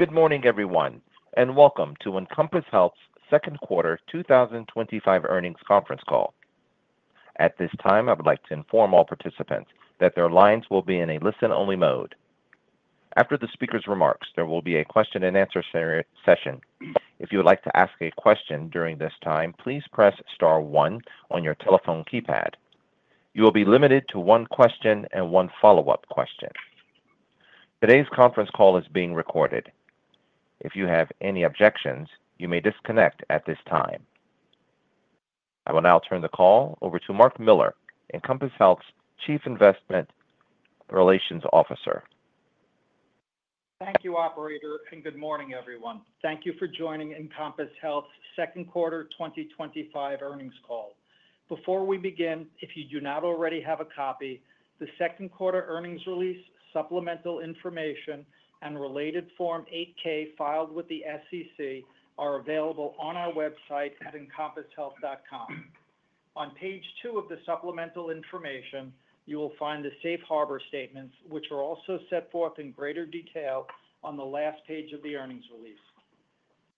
Good morning, everyone, and welcome to Encompass Health's Second Quarter 2025 Earnings Conference Call. At this time, I would like to inform all participants that their lines will be in a listen-only mode. After the speaker's remarks, there will be a question and answer session. If you would like to ask a question during this time, please press star one on your telephone keypad. You will be limited to one question and one follow-up question. Today's conference call is being recorded. If you have any objections, you may disconnect at this time. I will now turn the call over to Mark Miller, Encompass Health's Chief Investor Relations Officer. Thank you, Operator, and good morning, everyone. Thank you for joining Encompass Health's Second Quarter 2025 Earnings Call. Before we begin, if you do not already have a copy, the second quarter earnings release, supplemental information, and related Form 8-K filed with the SEC are available on our website at encompasshealth.com. On page two of the supplemental information, you will find the safe harbor statements, which are also set forth in greater detail on the last page of the earnings release.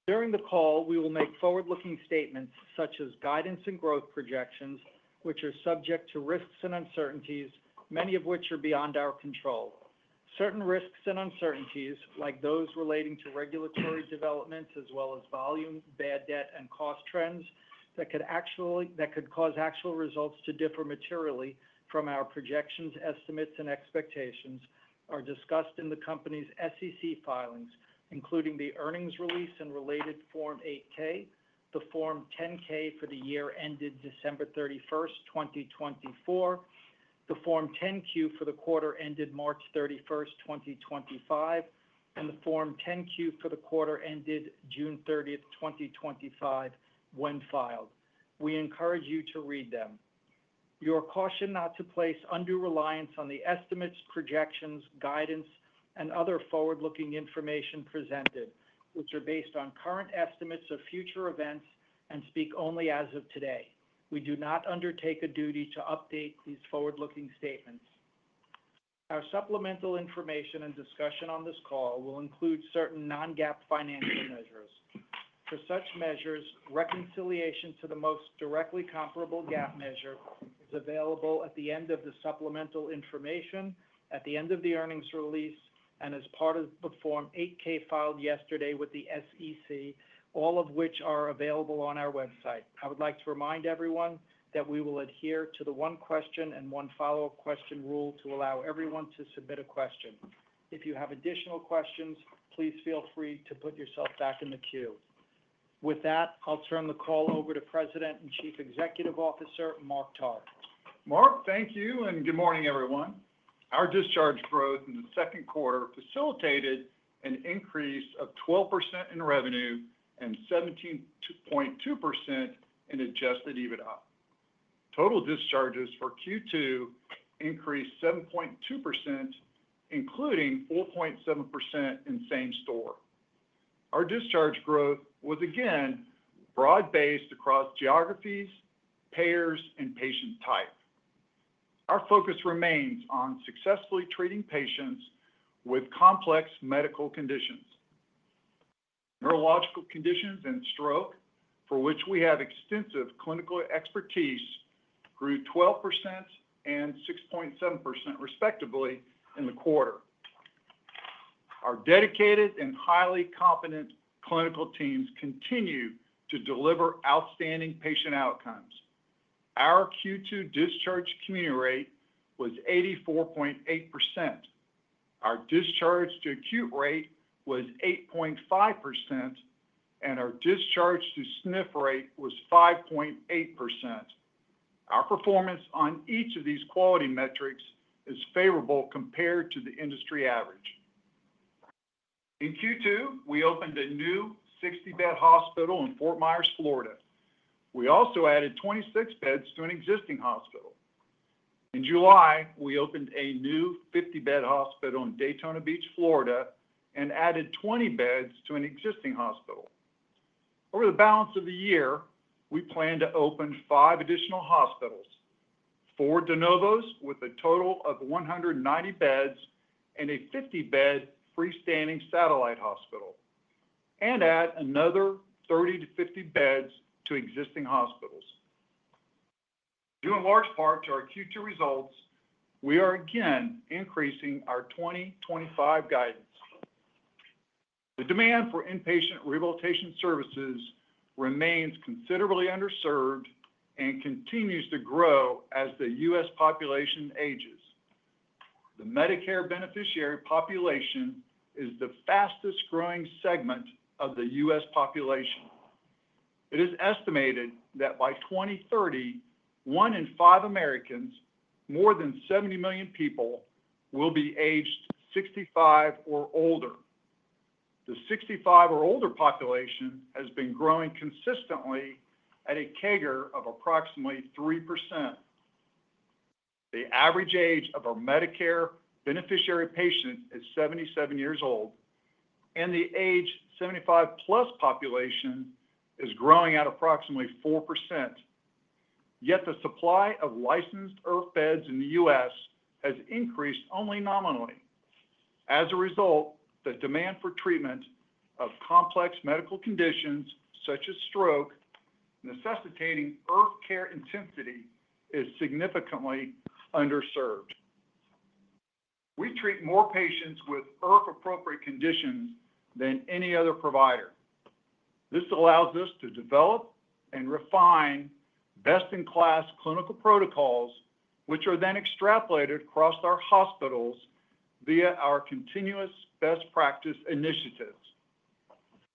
During the call, we will make forward-looking statements such as guidance and growth projections, which are subject to risks and uncertainties, many of which are beyond our control. Certain risks and uncertainties, like those relating to regulatory developments as well as volume, bad debt, and cost trends that could actually cause actual results to differ materially from our projections, estimates, and expectations, are discussed in the company's SEC filings, including the earnings release and related Form 8-K, the Form 10-K for the year ended December 31st, 2024, the Form 10-Q for the quarter ended March 31st, 2025, and the Form 10-Q for the quarter ended June 30th, 2025, when filed. We encourage you to read them. You are cautioned not to place undue reliance on the estimates, projections, guidance, and other forward-looking information presented, which are based on current estimates of future events and speak only as of today. We do not undertake a duty to update these forward-looking statements. Our supplemental information and discussion on this call will include certain non-GAAP financial measures. For such measures, reconciliation to the most directly comparable GAAP measure is available at the end of the supplemental information, at the end of the earnings release, and as part of the Form 8-K filed yesterday with the SEC, all of which are available on our website. I would like to remind everyone that we will adhere to the one question and one follow-up question rule to allow everyone to submit a question. If you have additional questions, please feel free to put yourself back in the queue. With that, I'll turn the call over to President and Chief Executive Officer Mark Tarr. Mark, thank you and good morning, everyone. Our discharge growth in the second quarter facilitated an increase of 12% in revenue and 17.2% in adjusted EBITDA. Total discharges for Q2 increased 7.2%, including 4.7% in same store. Our discharge growth was again broad-based across geographies, payers, and patient types. Our focus remains on successfully treating patients with complex medical conditions. Neurological conditions and stroke, for which we have extensive clinical expertise, grew 12% and 6.7% respectively in the quarter. Our dedicated and highly competent clinical teams continue to deliver outstanding patient outcomes. Our Q2 discharge community rate was 84.8%. Our discharge to acute rate was 8.5%, and our discharge to SNF rate was 5.8%. Our performance on each of these quality metrics is favorable compared to the industry average. In Q2, we opened a new 60-bed hospital in Fort Myers, Florida. We also added 26 beds to an existing hospital. In July, we opened a new 50-bed hospital in Daytona Beach, Florida, and added 20 beds to an existing hospital. Over the balance of the year, we plan to open five additional hospitals, four de novos with a total of 190 beds, and a 50-bed freestanding satellite hospital, and add another 30-50 beds to existing hospitals. Due in large part to our Q2 results, we are again increasing our 2025 guidance. The demand for inpatient rehabilitation services remains considerably underserved and continues to grow as the U.S. population ages. The Medicare beneficiary population is the fastest growing segment of the U.S. population. It is estimated that by 2030, one in five Americans, more than 70 million people, will be aged 65 or older. The 65 or older population has been growing consistently at a CAGR of approximately 3%. The average age of our Medicare beneficiary patients is 77 years old, and the age 75+ population is growing at approximately 4%. Yet the supply of licensed IRF beds in the U.S. has increased only nominally. As a result, the demand for treatment of complex medical conditions such as stroke, necessitating IRF care intensity, is significantly underserved. We treat more patients with IRF-appropriate conditions than any other provider. This allows us to develop and refine best-in-class clinical protocols, which are then extrapolated across our hospitals via our continuous best practice initiatives.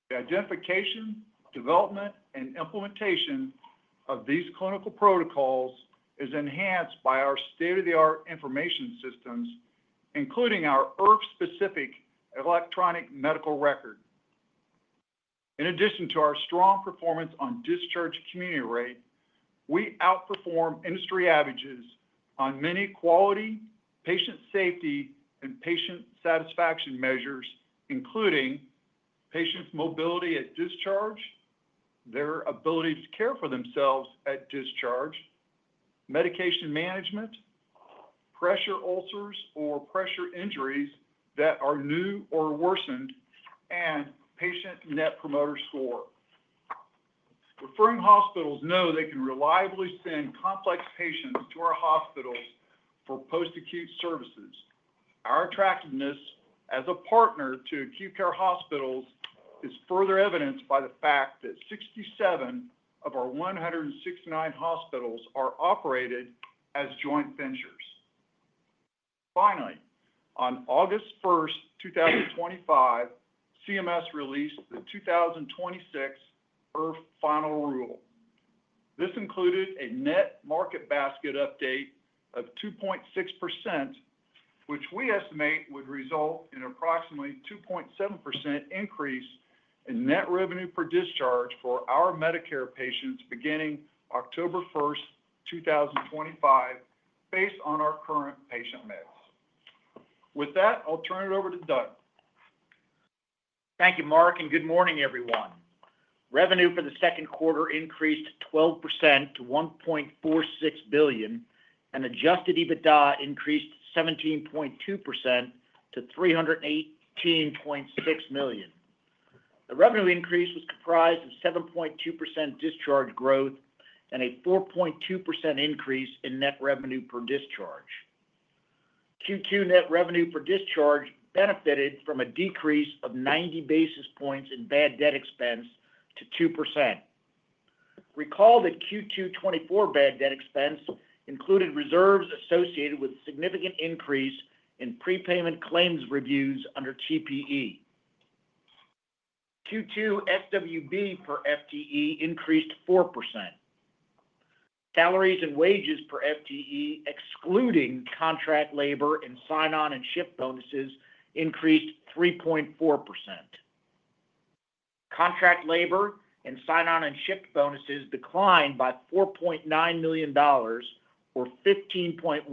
The identification, development, and implementation of these clinical protocols is enhanced by our state-of-the-art information systems, including our IRF-specific electronic medical record. In addition to our strong performance on discharge community rate, we outperform industry averages on many quality, patient safety, and patient satisfaction measures, including patients' mobility at discharge, their ability to care for themselves at discharge, medication management, pressure ulcers or pressure injuries that are new or worsened, and patient net promoter score. Referring hospitals know they can reliably send complex patients to our hospitals for post-acute services. Our attractiveness as a partner to acute care hospitals is further evidenced by the fact that 67 of our 169 hospitals are operated as joint ventures. Finally, on August 1st, 2025, CMS released the 2026 IRF final rule. This included a net market basket update of 2.6%, which we estimate would result in approximately a 2.7% increase in net revenue per discharge for our Medicare patients beginning October 1st, 2025, based on our current patient metrics. With that, I'll turn it over to Doug. Thank you, Mark, and good morning, everyone. Revenue for the second quarter increased 12% to $1.46 billion, and adjusted EBITDA increased 17.2% to $318.6 million. The revenue increase was comprised of 7.2% discharge growth and a 4.2% increase in net revenue per discharge. Q2 net revenue per discharge benefited from a decrease of 90 basis points in bad debt expense to 2%. Recall that Q2 2024 bad debt expense included reserves associated with a significant increase in prepayment claims reviews under TPE. Q2 SWB per FTE increased 4%. Salaries and wages per FTE, excluding contract labor and sign-on and shift bonuses, increased 3.4%. Contract labor and sign-on and shift bonuses declined by $4.9 million, or 15.1%.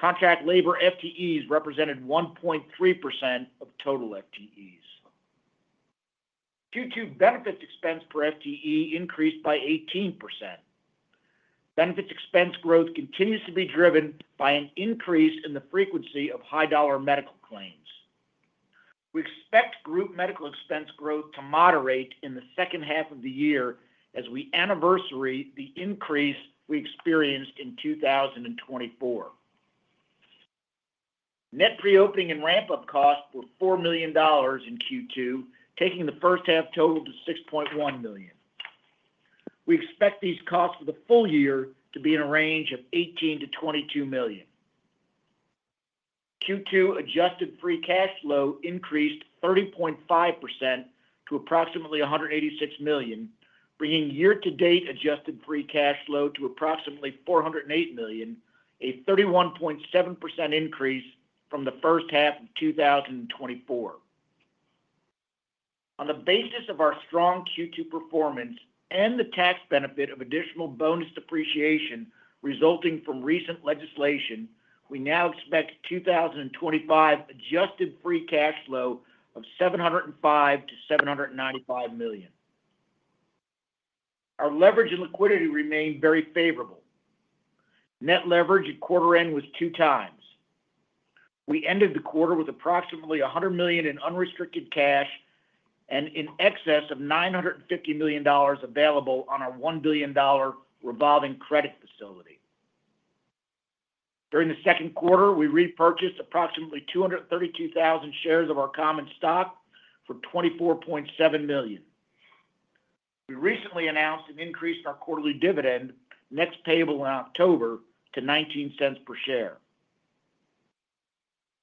Contract labor FTEs represented 1.3% of total FTEs. Q2 benefits expense per FTE increased by 18%. Benefits expense growth continues to be driven by an increase in the frequency of high-dollar medical claims. We expect group medical expense growth to moderate in the second half of the year as we anniversary the increase we experienced in 2024. Net pre-opening and ramp-up costs were $4 million in Q2, taking the first half total to $6.1 million. We expect these costs for the full year to be in a range of $18 million-$22 million. Q2 adjusted free cash flow increased 30.5% to approximately $186 million, bringing year-to-date adjusted free cash flow to approximately $408 million, a 31.7% increase from the first half of 2024. On the basis of our strong Q2 performance and the tax benefit of additional bonus depreciation resulting from recent legislation, we now expect 2025 adjusted free cash flow of $705 million-$795 million. Our leverage and liquidity remain very favorable. Net leverage at quarter end was 2x. We ended the quarter with approximately $100 million in unrestricted cash and in excess of $950 million available on our $1 billion revolving credit facility. During the second quarter, we repurchased approximately 232,000 shares of our common stock for $24.7 million. We recently announced an increase in our quarterly dividend, next payable in October, to $0.19 per share.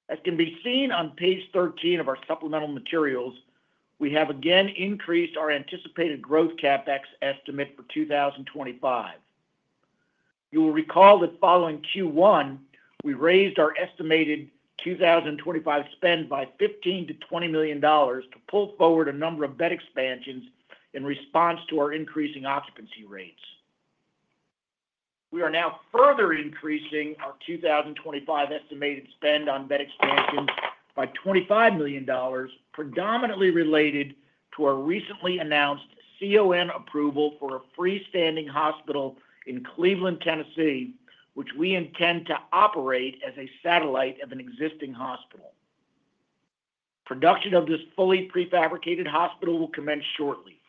As can be seen on page 13 of our supplemental materials, we have again increased our anticipated growth CapEx estimate for 2025. You will recall that following Q1, we raised our estimated 2025 spend by $15 million-$20 million to pull forward a number of bed additions in response to our increasing occupancy rates. We are now further increasing our 2025 estimated spend on bed additions by $25 million, predominantly related to our recently announced CON approval for a freestanding hospital in Cleveland, Tennessee, which we intend to operate as a satellite hospital of an existing hospital. Production of this fully prefabricated hospital will commence shortly.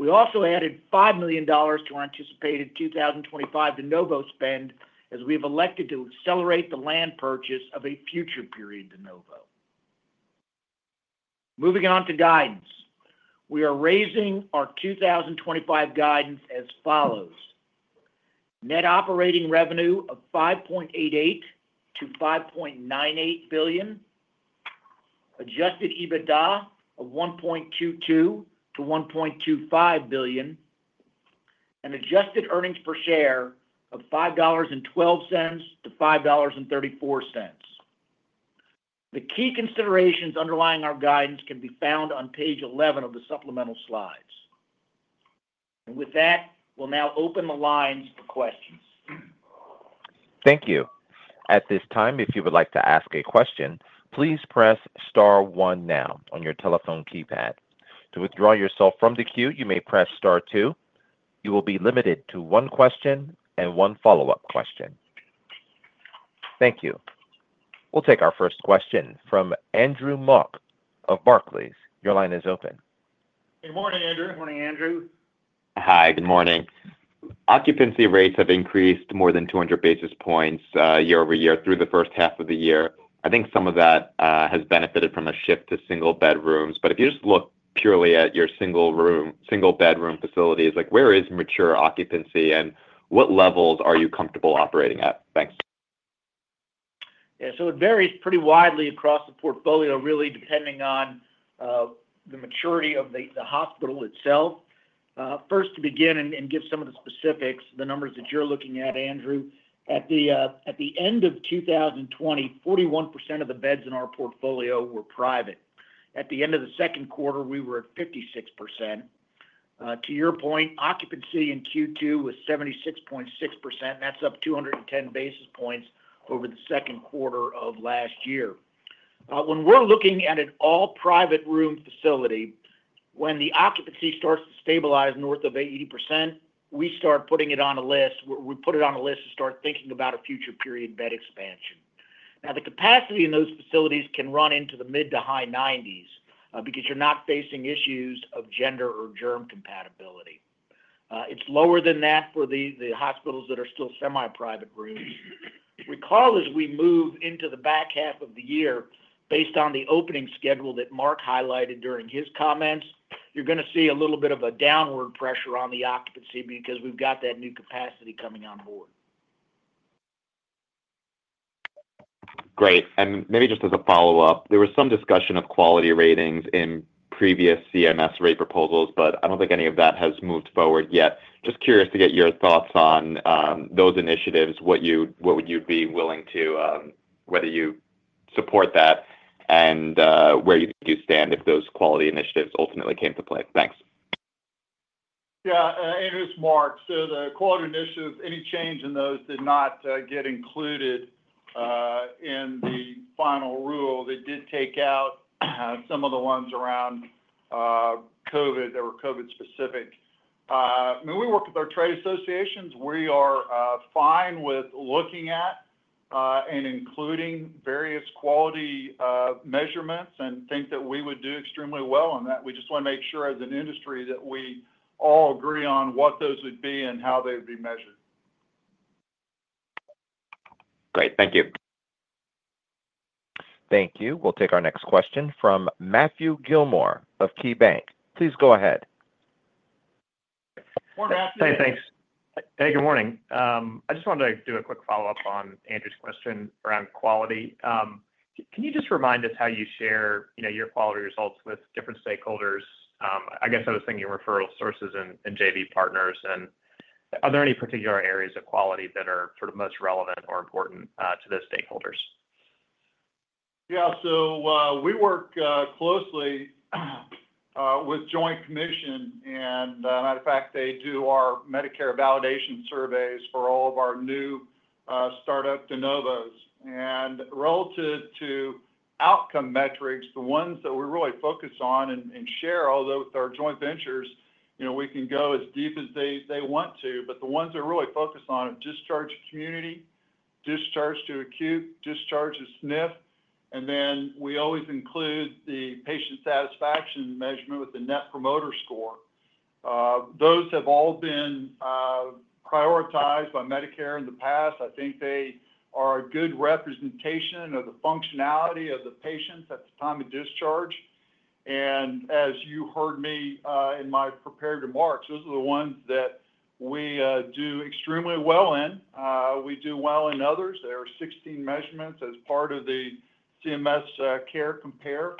We also added $5 million to our anticipated 2025 de novo spend as we have elected to accelerate the land purchase of a future period de novo. Moving on to guidance, we are raising our 2025 guidance as follows: net operating revenue of $5.88 billion-$5.98 billion, adjusted EBITDA of $1.22 billion-$1.25 billion, and adjusted earnings per share of $5.12-$5.34. The key considerations underlying our guidance can be found on page 11 of the supplemental slides. With that, we'll now open the lines for questions. Thank you. At this time, if you would like to ask a question, please press star one now on your telephone keypad. To withdraw yourself from the queue, you may press star two. You will be limited to one question and one follow-up question. Thank you. We'll take our first question from Andrew Mok of Barclays. Your line is open. Good morning, Andrew. Morning, Andrew. Hi, good morning. Occupancy rates have increased more than 200 basis points year over year through the first half of the year. I think some of that has benefited from a shift to single bedrooms. If you just look purely at your single bedroom facilities, where is mature occupancy and what levels are you comfortable operating at? Thanks. Yeah, so it varies pretty widely across the portfolio, really depending on the maturity of the hospital itself. First, to begin and give some of the specifics, the numbers that you're looking at, Andrew, at the end of 2020, 41% of the beds in our portfolio were private. At the end of the second quarter, we were at 56%. To your point, occupancy in Q2 was 76.6%, and that's up 210 basis points over the second quarter of last year. When we're looking at an all-private room facility, when the occupancy starts to stabilize north of 80%, we start putting it on a list. We put it on a list to start thinking about a future period bed expansion. Now, the capacity in those facilities can run into the mid to high 90% because you're not facing issues of gender or germ compatibility. It's lower than that for the hospitals that are still semi-private rooms. Recall, as we move into the back half of the year, based on the opening schedule that Mark highlighted during his comments, you're going to see a little bit of a downward pressure on the occupancy because we've got that new capacity coming on board. Great. Maybe just as a follow-up, there was some discussion of quality ratings in previous CMS rate proposals, but I don't think any of that has moved forward yet. Just curious to get your thoughts on those initiatives, what you'd be willing to, whether you support that, and where you stand if those quality initiatives ultimately came to play. Thanks. Yeah, it's Mark. The quality initiatives, any change in those did not get included in the final rule. They did take out some of the ones around COVID that were COVID-specific. We work with our trade associations. We are fine with looking at and including various quality measurements and think that we would do extremely well in that. We just want to make sure as an industry that we all agree on what those would be and how they would be measured. Great. Thank you. Thank you. We'll take our next question from Matthew Gillmor of KeyBanc. Please go ahead. Morning, Matthew. Hey, thanks. Hey, good morning. I just wanted to do a quick follow-up on Andrew's question around quality. Can you just remind us how you share your quality results with different stakeholders? I guess I was thinking referral sources and JV partners. Are there any particular areas of quality that are sort of most relevant or important to those stakeholders? Yeah, so we work closely with Joint Commission. As a matter of fact, they do our Medicare validation surveys for all of our new startup de novo hospitals. Relative to outcome metrics, the ones that we're really focused on and share, although with our joint ventures, we can go as deep as they want to. The ones that are really focused on are discharge community, discharge to acute, discharge to SNF, and then we always include the patient satisfaction measurement with the Net Promoter Score. Those have all been prioritized by Medicare in the past. I think they are a good representation of the functionality of the patients at the time of discharge. As you heard me in my prepared remarks, those are the ones that we do extremely well in. We do well in others. There are 16 measurements as part of the CMS Care Compare.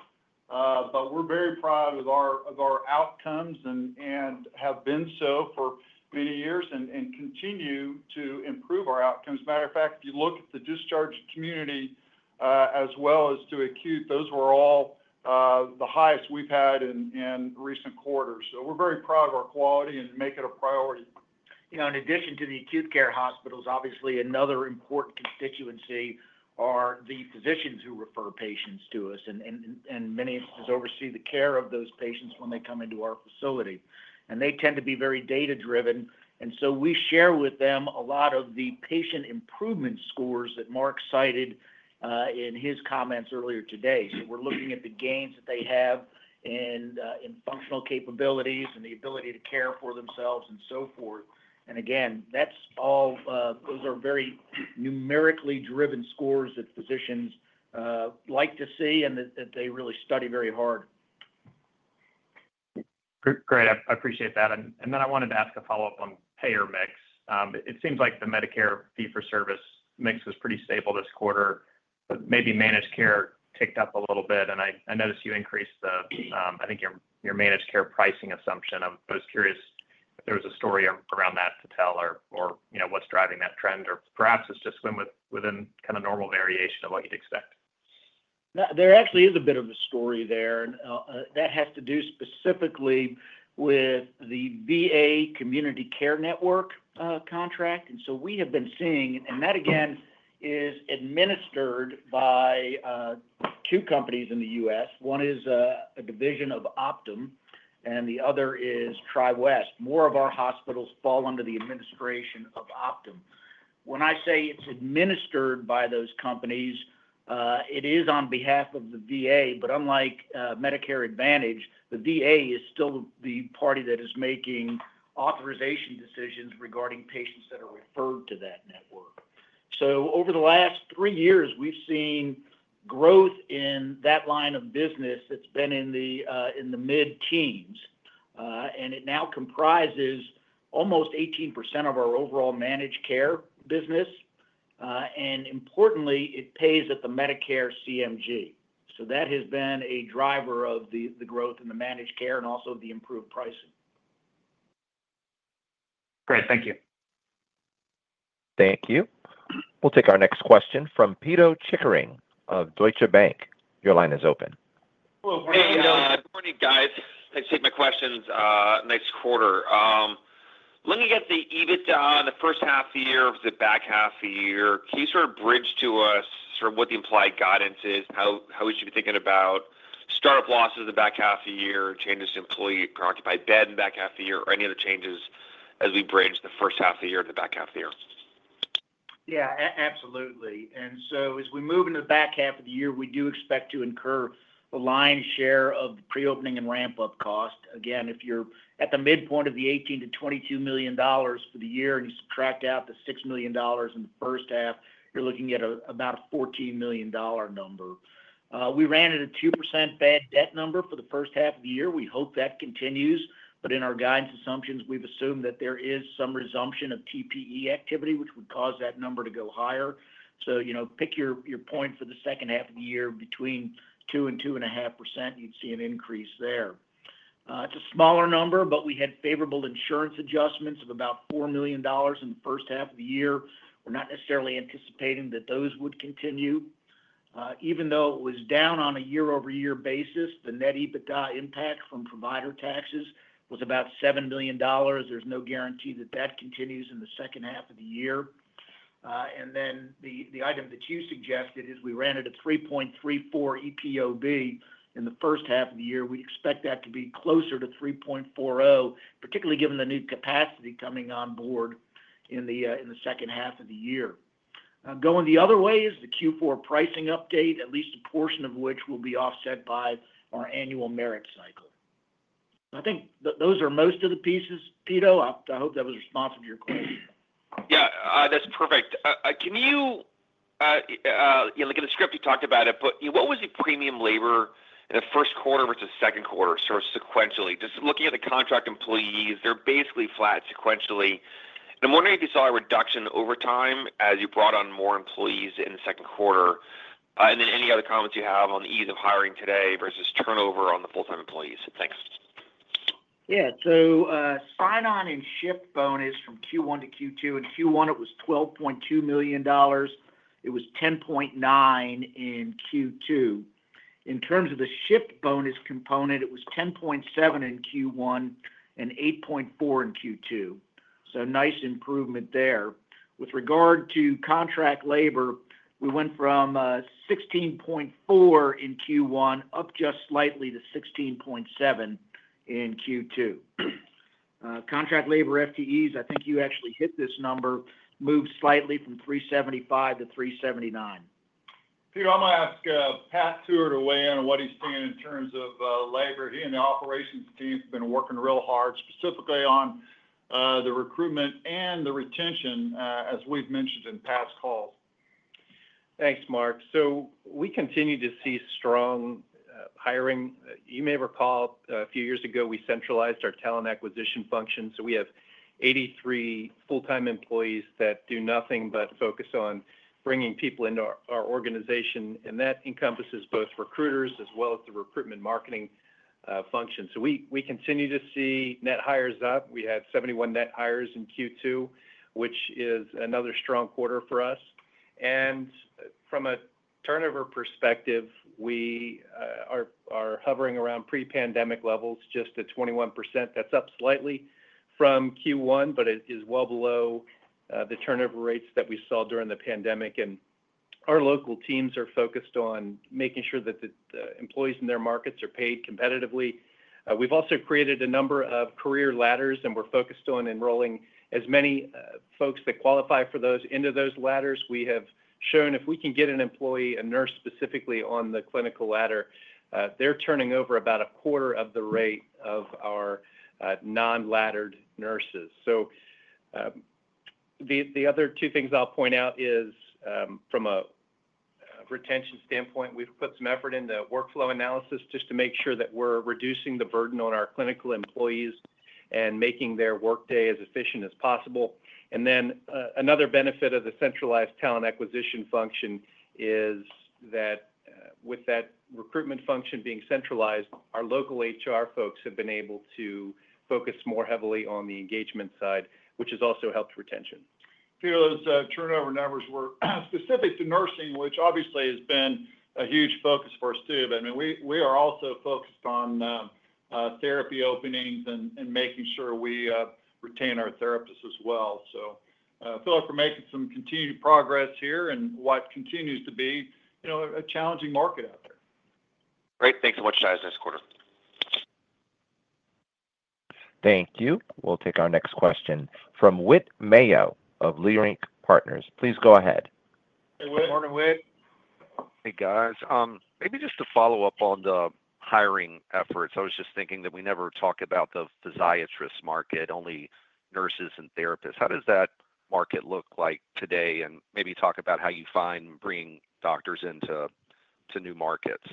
We're very proud of our outcomes and have been so for many years and continue to improve our outcomes. As a matter of fact, if you look at the discharge community as well as to acute, those were all the highest we've had in recent quarters. We're very proud of our quality and make it a priority. In addition to the acute care hospitals, obviously another important constituency are the physicians who refer patients to us and in many instances oversee the care of those patients when they come into our facility. They tend to be very data-driven, so we share with them a lot of the patient improvement scores that Mark cited in his comments earlier today. We're looking at the gains that they have in functional capabilities and the ability to care for themselves and so forth. Those are very numerically driven scores that physicians like to see and that they really study very hard. Great. I appreciate that. I wanted to ask a follow-up on payer mix. It seems like the Medicare fee-for-service mix was pretty stable this quarter. Maybe managed care ticked up a little bit. I noticed you increased the, I think, your managed care pricing assumption. I was curious if there was a story around that to tell or what's driving that trend. Perhaps it's just been within kind of normal variation of what you'd expect. There actually is a bit of a story there. That has to do specifically with the VA Community Care Network contract. We have been seeing, and that again is administered by two companies in the U.S. One is a division of Optum and the other is TriWest. More of our hospitals fall under the administration of Optum. When I say it's administered by those companies, it is on behalf of the VA. Unlike Medicare Advantage, the VA is still the party that is making authorization decisions regarding patients that are referred to that network. Over the last three years, we've seen growth in that line of business. It's been in the mid-teens, and it now comprises almost 18% of our overall managed care business. Importantly, it pays at the Medicare CMG. That has been a driver of the growth in the managed care and also the improved pricing. Great. Thank you. Thank you. We'll take our next question from Pito Chickering of Deutsche Bank. Your line is open. Good morning, guys. Thanks for taking my questions. Nice quarter. Looking at the EBITDA in the first half of the year over the back half of the year, can you sort of bridge to us sort of what the implied guidance is? How would you be thinking about startup losses in the back half of the year, changes to employee preoccupied bed in the back half of the year, or any other changes as we bridge the first half of the year to the back half of the year? Yeah, absolutely. As we move into the back half of the year, we do expect to incur the lion's share of the pre-opening and ramp-up cost. If you're at the midpoint of the $18 million-$22 million for the year and you subtract out the $6 million in the first half, you're looking at about a $14 million number. We ran at a 2% bad debt number for the first half of the year. We hope that continues. In our guidance assumptions, we've assumed that there is some resumption of TPE activity, which would cause that number to go higher. Pick your point for the second half of the year between 2% and 2.5%, you'd see an increase there. It's a smaller number, but we had favorable insurance adjustments of about $4 million in the first half of the year. We're not necessarily anticipating that those would continue. Even though it was down on a year-over-year basis, the net EBITDA impact from provider taxes was about $7 million. There's no guarantee that that continues in the second half of the year. The item that you suggested is we ran at a 3.34 EPOB in the first half of the year. We expect that to be closer to 3.40, particularly given the new capacity coming on board in the second half of the year. Going the other way is the Q4 pricing update, at least a portion of which will be offset by our annual merit cycle. I think those are most of the pieces, Peter. I hope that was responsive to your question. Yeah, that's perfect. Can you look at the script you talked about? What was the premium labor in the first quarter versus second quarter, sort of sequentially? Just looking at the contract employees, they're basically flat sequentially. I'm wondering if you saw a reduction in overtime as you brought on more employees in the second quarter. Any other comments you have on the ease of hiring today versus turnover on the full-time employees? Thanks. Yeah, so sign-on and shift bonus from Q1 to Q2. In Q1, it was $12.2 million. It was $10.9 million in Q2. In terms of the shift bonus component, it was $10.7 million in Q1 and $8.4 million in Q2. Nice improvement there. With regard to contract labor, we went from $16.4 million in Q1 up just slightly to $16.7 million in Q2. Contract labor FTEs, I think you actually hit this number, moved slightly from 3.75%-3.79%. Pito, I'm going to ask Pat Tuer to weigh in on what he's thinking in terms of labor. He and the operations team have been working real hard, specifically on the recruitment and the retention, as we've mentioned in past calls. Thanks, Mark. We continue to see strong hiring. You may recall a few years ago, we centralized our talent acquisition function. We have 83 full-time employees that do nothing but focus on bringing people into our organization. That encompasses both recruiters as well as the recruitment marketing function. We continue to see net hires up. We had 71 net hires in Q2, which is another strong quarter for us. From a turnover perspective, we are hovering around pre-pandemic levels, just at 21%. That's up slightly from Q1, but it is well below the turnover rates that we saw during the pandemic. Our local teams are focused on making sure that the employees in their markets are paid competitively. We've also created a number of career ladders, and we're focused on enrolling as many folks that qualify for those into those ladders. We have shown if we can get an employee, a nurse specifically on the clinical ladder, they're turning over about a quarter of the rate of our non-laddered nurses. The other two things I'll point out are from a retention standpoint, we've put some effort into workflow analysis just to make sure that we're reducing the burden on our clinical employees and making their workday as efficient as possible. Another benefit of the centralized talent acquisition function is that with that recruitment function being centralized, our local HR folks have been able to focus more heavily on the engagement side, which has also helped retention. Pito, those turnover numbers were specific to nursing, which obviously has been a huge focus for us too. We are also focused on therapy openings and making sure we retain our therapists as well. I feel like we're making some continued progress here in what continues to be a challenging market out there. Great. Thanks so much, guys. Next quarter. Thank you. We'll take our next question from Whit Mayo of Leerink Partners. Please go ahead. Hey, Whit. Good morning, Whit. Hey, guys. Maybe just to follow up on the hiring efforts, I was just thinking that we never talk about the physiatrist market, only nurses and therapists. How does that market look like today? Maybe talk about how you find and bring doctors into new markets.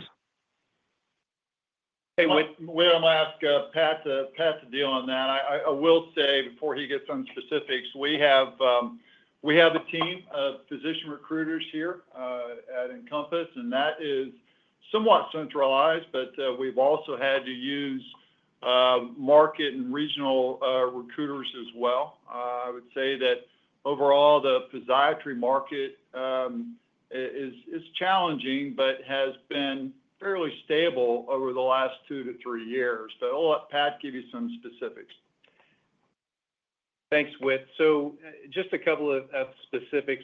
Hey, Whit I'm going to ask Pat to deal on that. I will say before he gets on specifics, we have a team of physician recruiters here at Encompass, and that is somewhat centralized, but we've also had to use market and regional recruiters as well. I would say that overall, the physiatry market is challenging but has been fairly stable over the last two to three years. I'll let Pat give you some specifics. Thanks, Whit. Just a couple of specifics.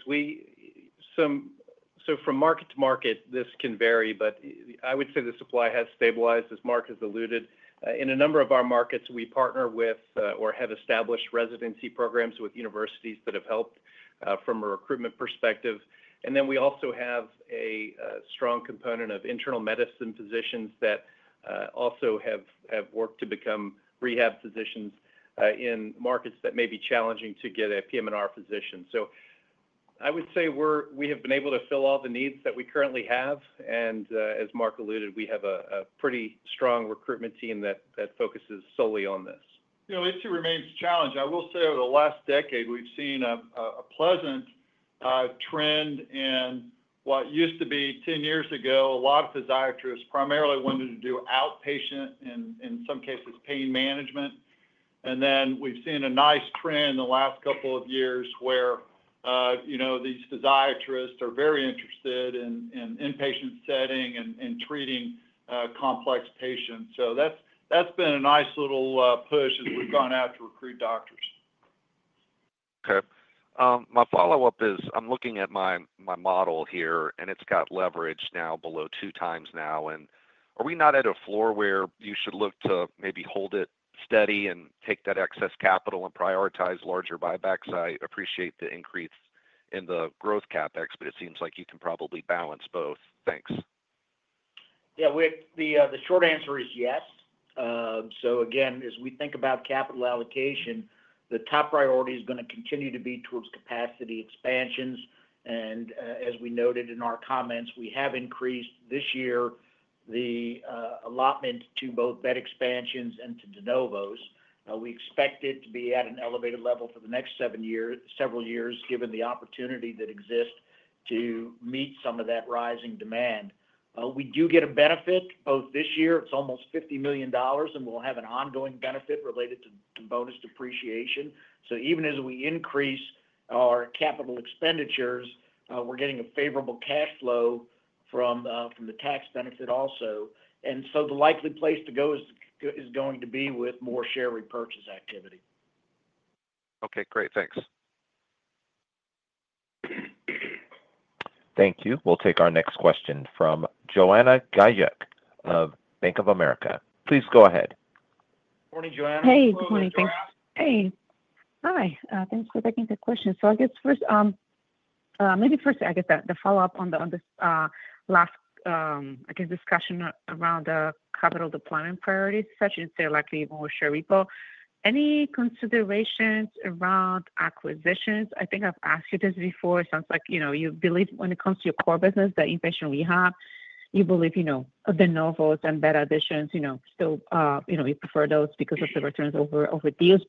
From market-to-market, this can vary, but I would say the supply has stabilized, as Mark has alluded. In a number of our markets, we partner with or have established residency programs with universities that have helped from a recruitment perspective. We also have a strong component of internal medicine physicians that have worked to become rehab physicians in markets that may be challenging to get a PM&R physician. I would say we have been able to fill all the needs that we currently have. As Mark alluded, we have a pretty strong recruitment team that focuses solely on this. It remains a challenge. I will say over the last decade, we've seen a pleasant trend in what used to be 10 years ago, a lot of physiatrists primarily wanted to do outpatient and in some cases pain management. We've seen a nice trend in the last couple of years where these physiatrists are very interested in an inpatient setting and treating complex patients. That's been a nice little push as we've gone out to recruit doctors. Okay. My follow-up is I'm looking at my model here, and it's got leverage now below 2 times now. Are we not at a floor where you should look to maybe hold it steady and take that excess capital and prioritize larger buybacks? I appreciate the increase in the growth CapEx, but it seems like you can probably balance both. Thanks. Yeah, Whit, the short answer is yes. As we think about capital allocation, the top priority is going to continue to be towards capacity expansions. As we noted in our comments, we have increased this year the allotment to both bed additions and to de novo hospitals. We expect it to be at an elevated level for the next several years, given the opportunity that exists to meet some of that rising demand. We do get a benefit both this year. It's almost $50 million, and we'll have an ongoing benefit related to the bonus depreciation. Even as we increase our capital expenditures, we're getting a favorable cash flow from the tax benefit also. The likely place to go is going to be with more share repurchase activity. Okay, great. Thanks. Thank you. We'll take our next question from Joanna Gajuk of Bank of America. Please go ahead. Morning, Joanna. Hey, good morning. Thanks. Hi. Thanks for taking the question. I guess first, maybe to follow up on this last discussion around the capital deployment priorities, such as the likely more share repo. Any considerations around acquisitions? I think I've asked you this before. It sounds like you believe when it comes to your core business, the inpatient rehab, you believe de novos and bed additions, you still prefer those because of the returns over deals.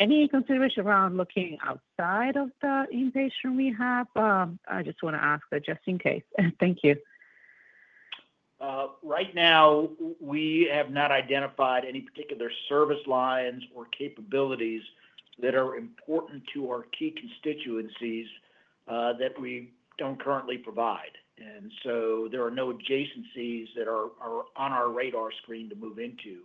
Any consideration around looking outside of the inpatient rehab? I just want to ask that just in case. Thank you. Right now, we have not identified any particular service lines or capabilities that are important to our key constituencies that we don't currently provide. There are no adjacencies that are on our radar screen to move into.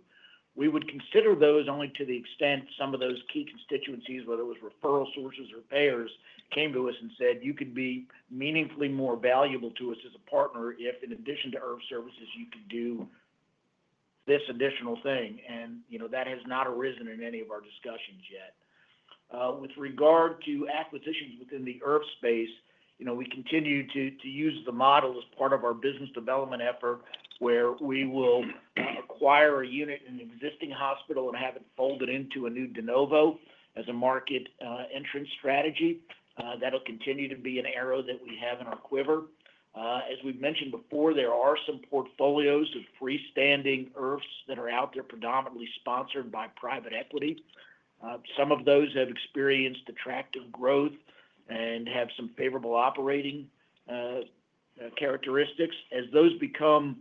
We would consider those only to the extent some of those key constituencies, whether it was referral sources or payers, came to us and said, "You could be meaningfully more valuable to us as a partner if, in addition to inpatient rehabilitation hospital services, you could do this additional thing." That has not arisen in any of our discussions yet. With regard to acquisitions within the inpatient rehabilitation hospital space, we continue to use the model as part of our business development effort where we will acquire a unit in an existing hospital and have it folded into a new de novo as a market entrance strategy. That will continue to be an arrow that we have in our quiver. As we've mentioned before, there are some portfolios of freestanding inpatient rehabilitation hospitals that are out there predominantly sponsored by private equity. Some of those have experienced attractive growth and have some favorable operating characteristics. As those become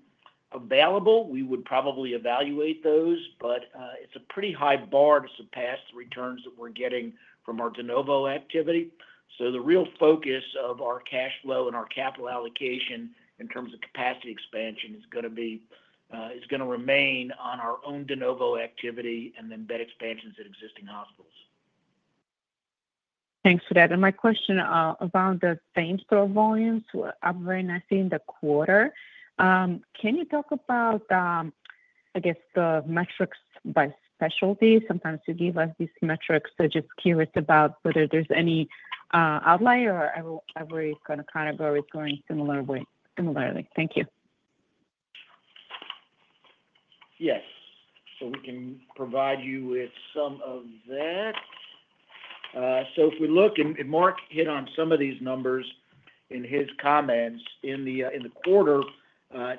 available, we would probably evaluate those, but it's a pretty high bar to surpass the returns that we're getting from our de novo activity. The real focus of our cash flow and our capital allocation in terms of capacity expansion is going to remain on our own de novo activity and then bed additions at existing hospitals. Thanks for that. My question around the same store volumes are very nice in the quarter. Can you talk about, I guess, the metrics by specialty? Sometimes you give us these metrics. I'm just curious about whether there's any outlier or every kind of category is going similarly. Thank you. Yes. We can provide you with some of that. If we look, and Mark hit on some of these numbers in his comments in the quarter,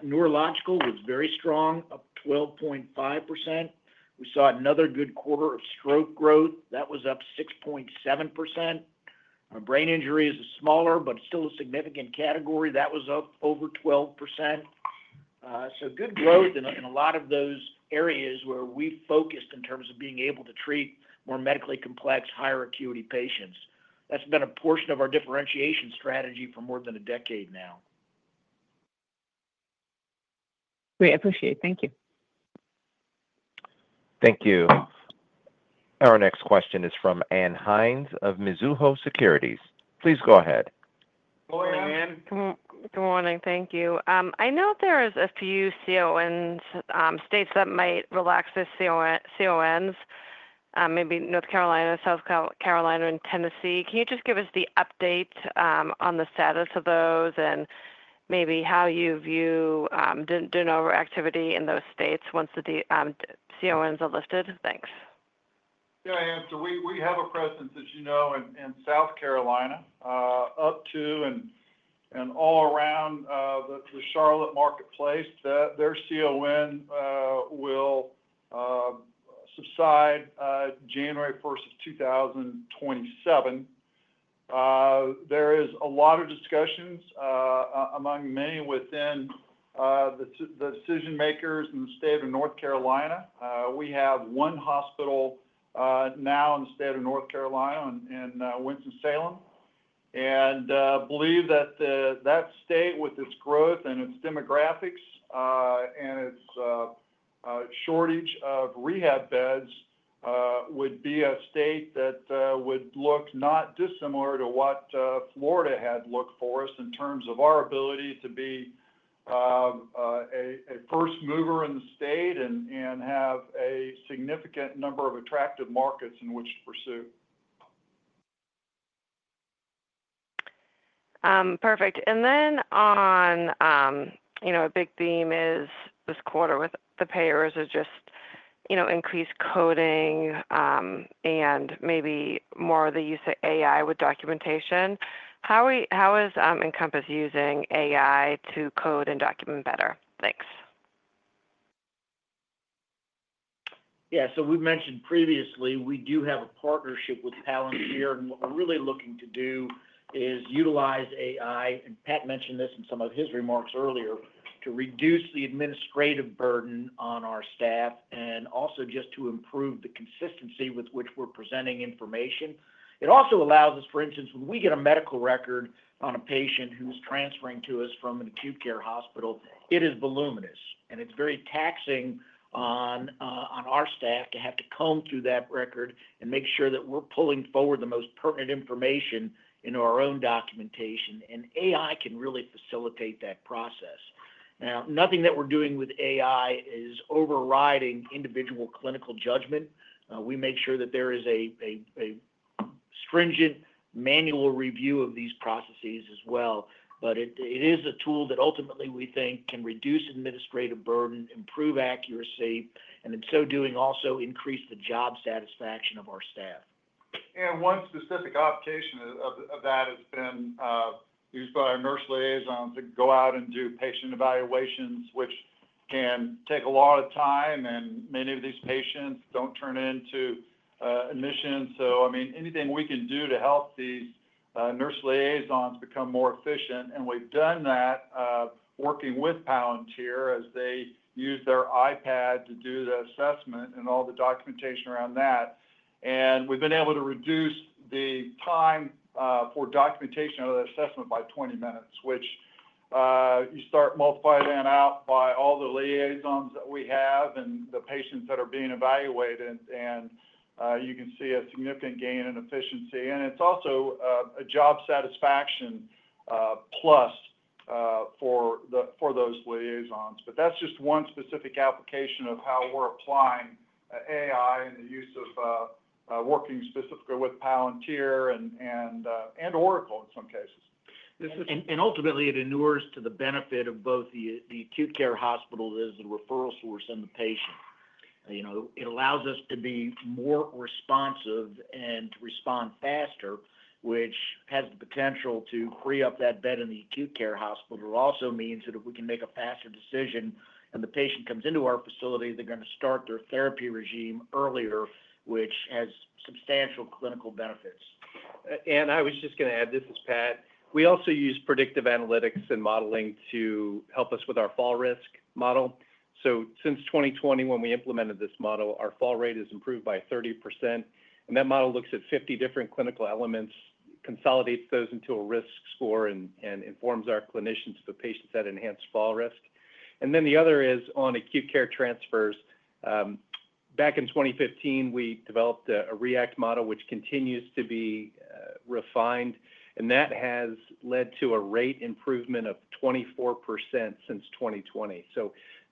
neurological was very strong, 12.5%. We saw another good quarter of stroke growth. That was up 6.7%. Our brain injury is a smaller, but still a significant category. That was up over 12%. Good growth in a lot of those areas where we focused in terms of being able to treat more medically complex, higher acuity patients. That's been a portion of our differentiation strategy for more than a decade now. Great. I appreciate it. Thank you. Thank you. Our next question is from Ann Hynes of Mizuho Securities. Please go ahead. Morning, Ann. Good morning. Thank you. I know there are a few CON states that might relax the CONs, maybe North Carolina, South Carolina, and Tennessee. Can you just give us the update on the status of those and maybe how you view de novo activity in those states once the CONs are lifted? Thanks. Yeah, Ann. We have a presence, as you know, in South Carolina, up to and all around the Charlotte marketplace. Their CON will subside January 1st, 2027. There are a lot of discussions among many within the decision-makers in the state of North Carolina. We have one hospital now in the state of North Carolina in Winston-Salem. I believe that that state, with its growth and its demographics and its shortage of rehab beds, would be a state that would look not dissimilar to what Florida had looked for us in terms of our ability to be a first mover in the state and have a significant number of attractive markets in which to pursue. Perfect. On a big theme this quarter with the payers is increased coding and maybe more of the use of AI with documentation. How is Encompass using AI to code and document better? Thanks. Yeah. We mentioned previously, we do have a partnership with Palantir, and what we're really looking to do is utilize AI, and Pat mentioned this in some of his remarks earlier, to reduce the administrative burden on our staff and also just to improve the consistency with which we're presenting information. It also allows us, for instance, when we get a medical record on a patient who's transferring to us from an acute care hospital, it is voluminous. It's very taxing on our staff to have to comb through that record and make sure that we're pulling forward the most pertinent information into our own clinical documentation. AI can really facilitate that process. Nothing that we're doing with AI is overriding individual clinical judgment. We make sure that there is a stringent manual review of these processes as well. It is a tool that ultimately we think can reduce administrative burden, improve accuracy, and in so doing also increase the job satisfaction of our staff. One specific application of that has been used by our nurse liaisons to go out and do patient evaluations, which can take a lot of time, and many of these patients don't turn into admissions. Anything we can do to help these nurse liaisons become more efficient. We've done that working with Palantir as they use their iPad to do the assessment and all the documentation around that. We've been able to reduce the time for documentation of the assessment by 20 minutes, which you start multiplying that out by all the liaisons that we have and the patients that are being evaluated, and you can see a significant gain in efficiency. It's also a job satisfaction plus for those liaisons. That's just one specific application of how we're applying AI and the use of working specifically with Palantir and Oracle in some cases. Ultimately, it enures to the benefit of both the acute care hospital that is the referral source and the patient. It allows us to be more responsive and to respond faster, which has the potential to free up that bed in the acute care hospital. It also means that if we can make a faster decision and the patient comes into our facility, they're going to start their therapy regime earlier, which has substantial clinical benefits. I was just going to add, this is Pat. We also use predictive analytics and modeling to help us with our fall risk model. Since 2020, when we implemented this model, our fall rate has improved by 30%. That model looks at 50 different clinical elements, consolidates those into a risk score, and informs our clinicians for patients that enhance fall risk. The other is on acute care transfers. Back in 2015, we developed a ReACT model, which continues to be refined. That has led to a rate improvement of 24% since 2020.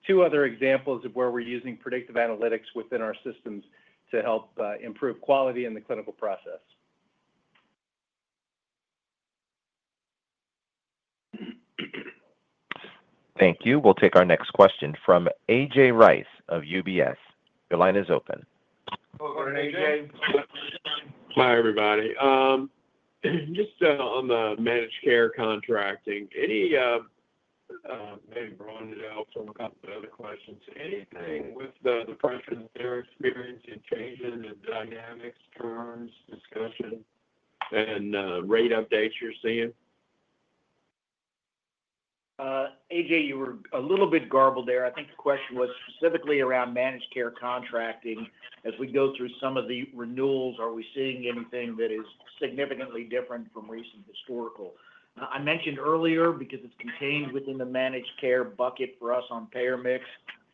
Two other examples of where we're using predictive analytics within our systems to help improve quality in the clinical process. Thank you. We'll take our next question from A.J. Rice of UBS. Your line is open. Hi, everybody. Just on the managed care contracting, maybe broaden it out from a couple of other questions. Anything with the person, their experience in changing the dynamics, terms, discussion, and rate updates you're seeing? A.J., you were a little bit garbled there. I think the question was specifically around managed care contracting. As we go through some of the renewals, are we seeing anything that is significantly different from recent historical? I mentioned earlier, because it's contained within the managed care bucket for us on payer mix,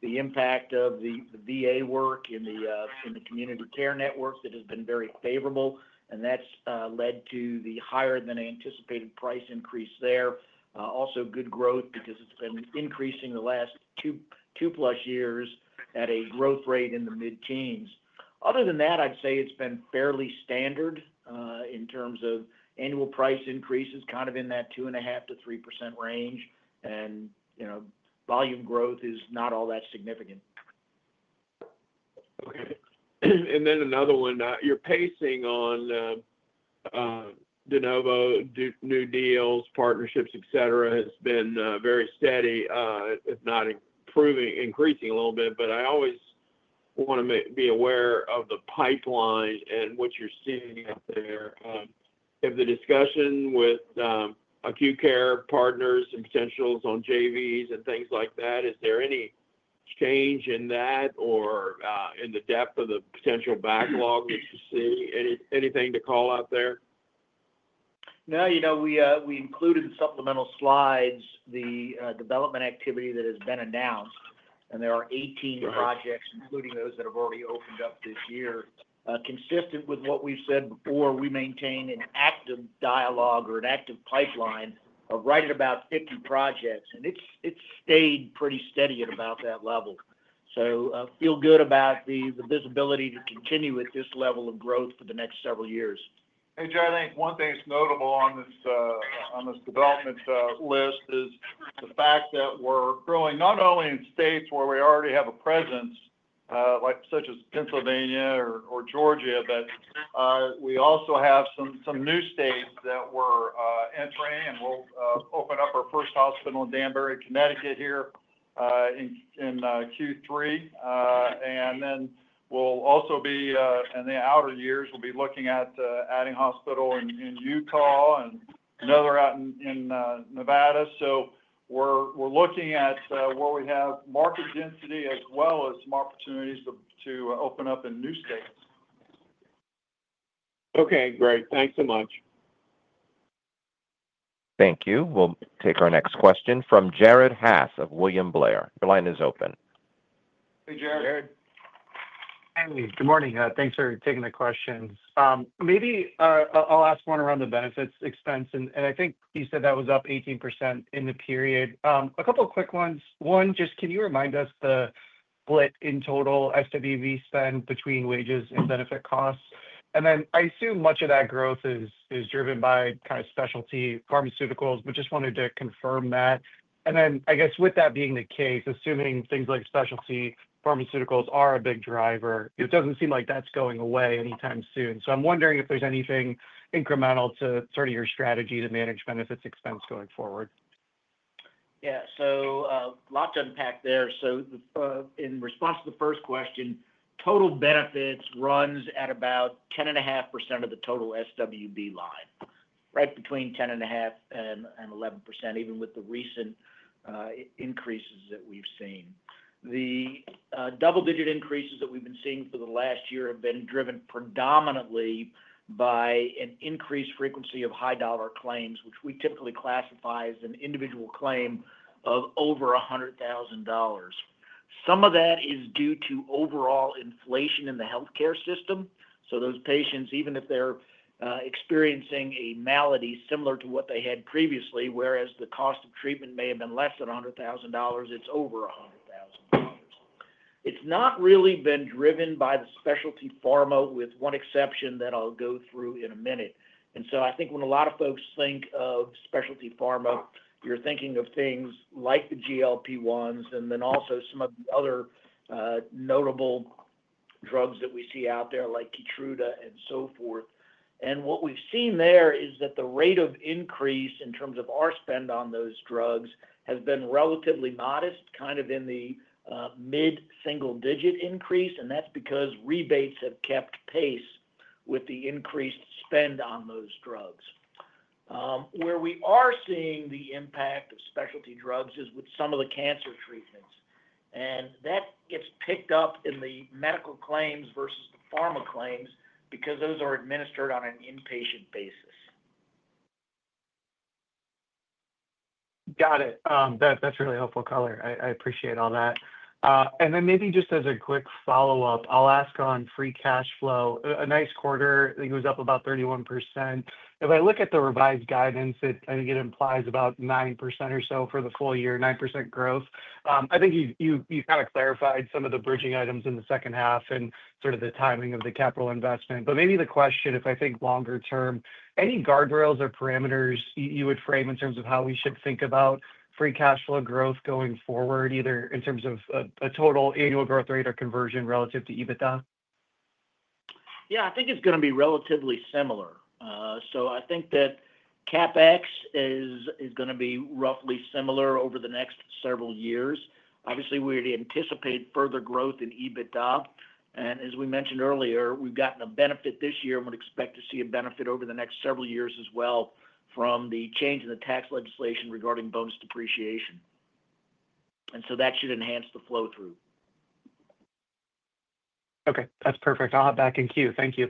the impact of the VA Community Care Network work that has been very favorable. That's led to the higher-than-anticipated price increase there. Also, good growth because it's been increasing the last two-plus years at a growth rate in the mid-teens. Other than that, I'd say it's been fairly standard in terms of annual price increases, kind of in that 2.5%-3% range. Volume growth is not all that significant. Okay. Another one, your pacing on de novo, new deals, partnerships, etc., has been very steady, if not improving, increasing a little bit. I always want to be aware of the pipeline and what you're seeing there. Have the discussion with acute care partners and potentials on JVs and things like that, is there any change in that or in the depth of the potential backlog that you see? Anything to call out there? No. You know, we included in supplemental slides the development activity that has been announced. There are 18 projects, including those that have already opened up this year. Consistent with what we've said before, we maintain an active dialogue or an active pipeline of right at about 50 projects. It's stayed pretty steady at about that level. I feel good about the visibility to continue with this level of growth for the next several years. A.J., I think one thing that's notable on this development list is the fact that we're growing not only in states where we already have a presence, such as Pennsylvania or Georgia, but we also have some new states that we're entering, and we'll open up our first hospital in Danbury, Connecticut here in Q3. We'll also be, in the outer years, looking at adding a hospital in Utah and another out in Nevada. We're looking at where we have market density as well as some opportunities to open up in new states. Okay, great. Thanks so much. Thank you. We'll take our next question from Jared Haase of William Blair. Your line is open. Hey, Jared. Hey, good morning. Thanks for taking the question. Maybe I'll ask one around the benefits expense. I think you said that was up 18% in the period. A couple of quick ones. One, just can you remind us the split in total SWB spend between wages and benefit costs? I assume much of that growth is driven by kind of specialty pharmaceuticals, but just wanted to confirm that. I guess with that being the case, assuming things like specialty pharmaceuticals are a big driver, it doesn't seem like that's going away anytime soon. I'm wondering if there's anything incremental to sort of your strategy to manage benefits expense going forward. Yeah. A lot to unpack there. In response to the first question, total benefits runs at about 10.5% of the total SWB line, right between 10.5% and 11%, even with the recent increases that we've seen. The double-digit increases that we've been seeing for the last year have been driven predominantly by an increased frequency of high-dollar claims, which we typically classify as an individual claim of over $100,000. Some of that is due to overall inflation in the healthcare system. Those patients, even if they're experiencing a malady similar to what they had previously, whereas the cost of treatment may have been less than $100,000, it's over $100,000. It's not really been driven by the specialty pharma, with one exception that I'll go through in a minute. I think when a lot of folks think of specialty pharma, you're thinking of things like the GLP-1s and also some of the other notable drugs that we see out there like Keytruda and so forth. What we've seen there is that the rate of increase in terms of our spend on those drugs has been relatively modest, kind of in the mid-single-digit increase. That's because rebates have kept pace with the increased spend on those drugs. Where we are seeing the impact of specialty drugs is with some of the cancer treatments. That gets picked up in the medical claims versus the pharma claims because those are administered on an inpatient basis. Got it. That's really helpful, Color. I appreciate all that. Maybe just as a quick follow-up, I'll ask on free cash flow. A nice quarter. I think it was up about 31%. If I look at the revised guidance, I think it implies about 9% or so for the full year, 9% growth. I think you kind of clarified some of the bridging items in the second half and sort of the timing of the capital investment. Maybe the question, if I think longer term, any guardrails or parameters you would frame in terms of how we should think about free cash flow growth going forward, either in terms of a total annual growth rate or conversion relative to EBITDA? Yeah, I think it's going to be relatively similar. I think that CapEx is going to be roughly similar over the next several years. Obviously, we anticipate further growth in EBITDA. As we mentioned earlier, we've gotten a benefit this year and would expect to see a benefit over the next several years as well from the change in the tax legislation regarding bonus depreciation. That should enhance the flow-through. Okay, that's perfect. I'll hop back in queue. Thank you.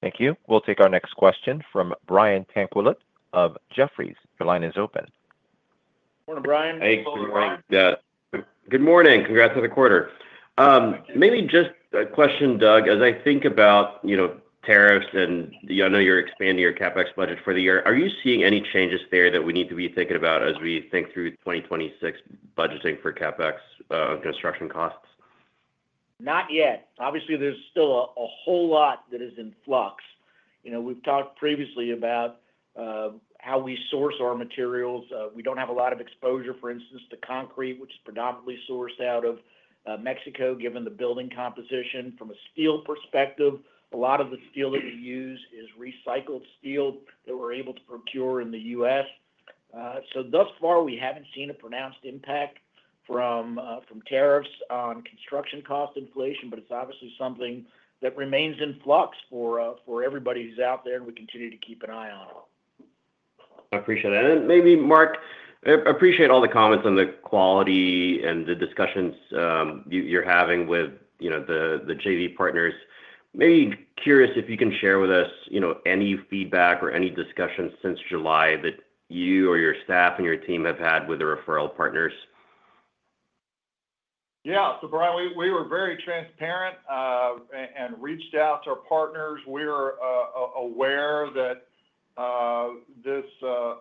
Thank you. We'll take our next question from Brian Tanquilut of Jefferies. Your line is open. Morning, Brian. Thanks. Good morning. Good morning. Congrats to the quarter. Maybe just a question, Doug. As I think about, you know, tariffs and I know you're expanding your CapEx budget for the year, are you seeing any changes there that we need to be thinking about as we think through 2026 budgeting for CapEx construction costs? Not yet. Obviously, there's still a whole lot that is in flux. We've talked previously about how we source our materials. We don't have a lot of exposure, for instance, to concrete, which is predominantly sourced out of Mexico, given the building composition. From a steel perspective, a lot of the steel that you use is recycled steel that we're able to procure in the U.S. Thus far, we haven't seen a pronounced impact from tariffs on construction cost inflation, but it's obviously something that remains in flux for everybody who's out there, and we continue to keep an eye on it. I appreciate that. Maybe, Mark, I appreciate all the comments on the quality and the discussions you're having with the JV partners. I'm curious if you can share with us any feedback or any discussions since July that you or your staff and your team have had with the referral partners. Yeah. Brian, we were very transparent and reached out to our partners. We were aware that this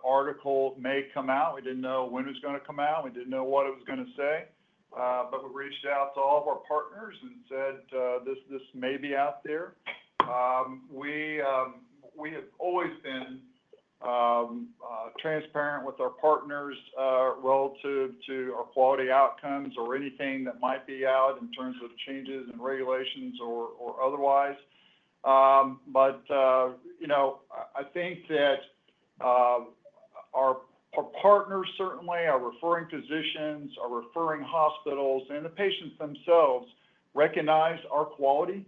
article may come out. We didn't know when it was going to come out. We didn't know what it was going to say. We reached out to all of our partners and said, "This may be out there." We have always been transparent with our partners relative to our quality outcomes or anything that might be out in terms of changes in regulations or otherwise. I think that our partners, certainly our referring physicians, our referring hospitals, and the patients themselves recognize our quality.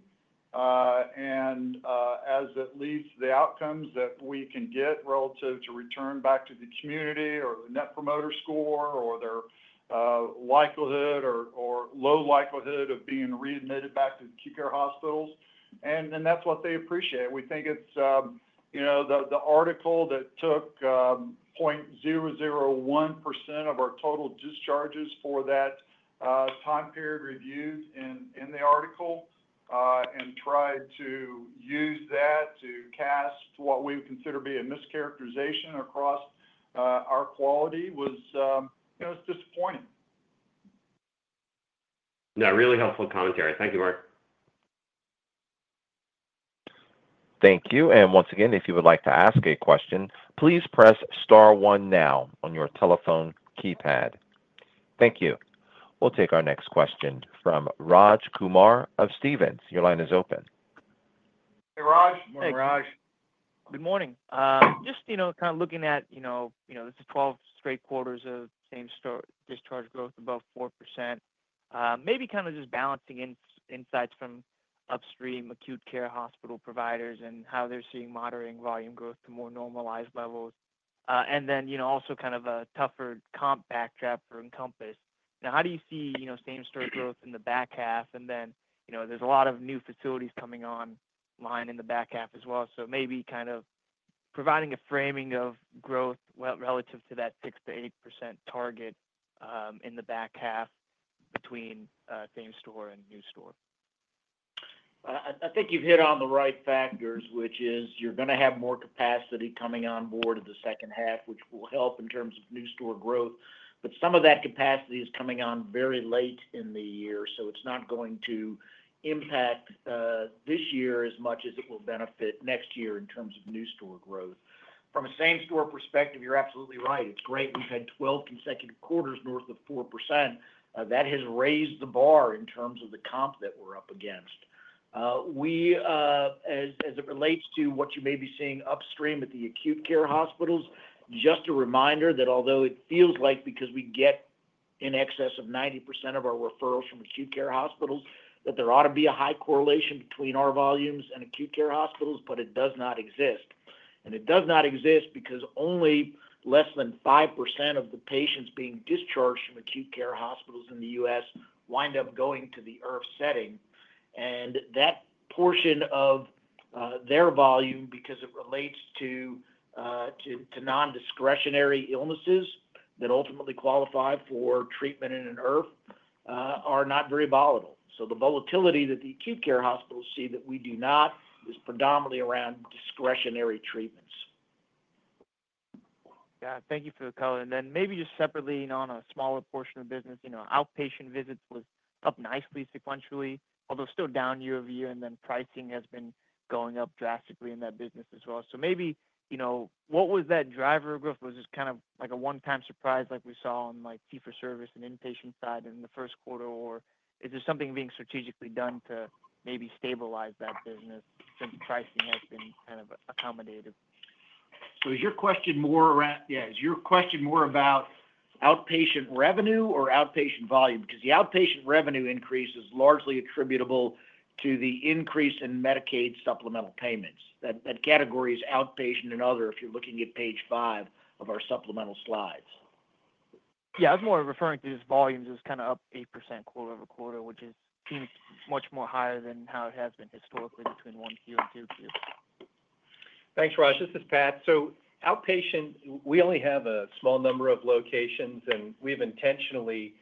As it leads to the outcomes that we can get relative to return back to the community or the net promoter score or their likelihood or low likelihood of being readmitted back to acute care hospitals, that's what they appreciate. We think the article that took 0.001% of our total discharges for that time period reviewed in the article and tried to use that to cast what we would consider to be a mischaracterization across our quality was disappointing. That's really helpful commentary. Thank you, Mark. Thank you. If you would like to ask a question, please press star one now on your telephone keypad. Thank you. We'll take our next question from Raj Kumar of Stephens. Your line is open. Hey, Raj. Morning, Raj. Good morning. Just looking at this is 12 straight quarters of same-store discharge growth above 4%. Maybe kind of balancing insights from upstream acute care hospital providers and how they're seeing moderating volume growth to more normalized levels, and also kind of a tougher comp backdrop for Encompass Health. How do you see same-store growth in the back half? There's a lot of new facilities coming online in the back half as well. Maybe providing a framing of growth relative to that 6%-8% target in the back half between same-store and new store. I think you've hit on the right factors, which is you're going to have more capacity coming on board in the second half, which will help in terms of new store growth. Some of that capacity is coming on very late in the year, so it's not going to impact this year as much as it will benefit next year in terms of new store growth. From a same-store perspective, you're absolutely right. It's great. We've had 12 consecutive quarters north of 4%. That has raised the bar in terms of the comp that we're up against. As it relates to what you may be seeing upstream at the acute care hospitals, just a reminder that although it feels like because we get in excess of 90% of our referrals from acute care hospitals, that there ought to be a high correlation between our volumes and acute care hospitals, it does not exist. It does not exist because only less than 5% of the patients being discharged from acute care hospitals in the U.S. wind up going to the IRF setting. That portion of their volume, because it relates to nondiscretionary illnesses that ultimately qualify for treatment in an IRF, are not very volatile. The volatility that the acute care hospitals see that we do not is predominantly around discretionary treatments. Thank you for the call. Maybe just separately on a smaller portion of the business, outpatient visits was up nicely sequentially, although still down year over year. Pricing has been going up drastically in that business as well. Maybe, what was that driver of growth? Was this kind of like a one-time surprise like we saw on fee-for-service and inpatient side in the first quarter, or is there something being strategically done to maybe stabilize that business since pricing has been kind of accommodative? Is your question more about outpatient revenue or outpatient volume? The outpatient revenue increase is largely attributable to the increase in Medicaid supplemental payments. That category is outpatient and other if you're looking at page five of our supplemental slides. Yeah, I was more referring to just volumes is kind of up 8% quarter over quarter, which seems much more higher than how it has been historically between 1Q and 2Q. Thanks, Raj. This is Pat. Outpatient, we only have a small number of locations, and we've intentionally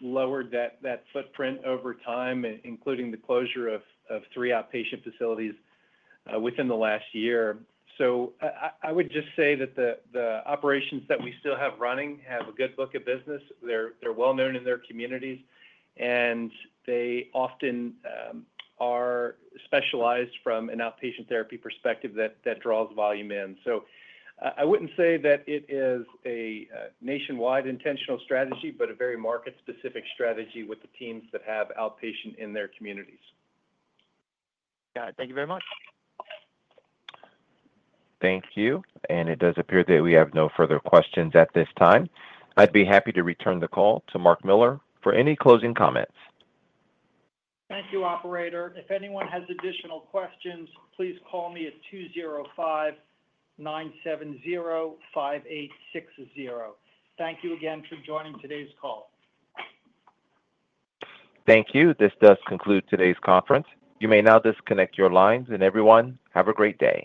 lowered that footprint over time, including the closure of three outpatient facilities within the last year. I would just say that the operations that we still have running have a good book of business. They're well known in their communities, and they often are specialized from an outpatient therapy perspective that draws volume in. I wouldn't say that it is a nationwide intentional strategy, but a very market-specific strategy with the teams that have outpatient in their communities. Got it. Thank you very much. Thank you. It does appear that we have no further questions at this time. I'd be happy to return the call to Mark Miller for any closing comments. Thank you, operator. If anyone has additional questions, please call me at 205-970-5860. Thank you again for joining today's call. Thank you. This does conclude today's conference. You may now disconnect your lines, and everyone, have a great day.